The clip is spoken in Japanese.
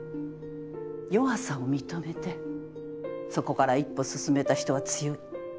弱さを認めてそこから１歩進めた人は強い。